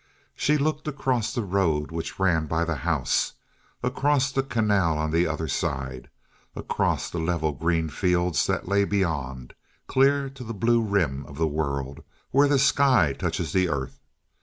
She looked across the road which ran by the house, across the canal on the other side, across the level green fields that lay beyond, clear to the blue rim of the world, where the sky touches the earth.